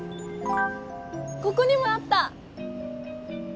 ここにもあった！